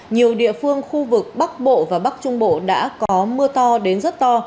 nhiều địa phương khu vực bắc bộ và bắc trung bộ đã có mưa to đến rất to